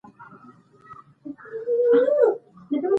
د هېواد مثبت انځور نړۍ ته وړاندې کړئ.